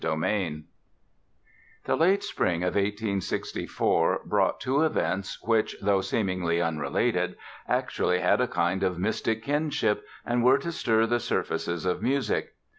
PEYSER The late spring of 1864 brought two events which, though seemingly unrelated, actually had a kind of mystic kinship and were to stir the surfaces of music.